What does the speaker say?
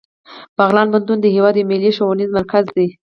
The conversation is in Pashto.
بغلان پوهنتون د هیواد یو ملي ښوونیز مرکز دی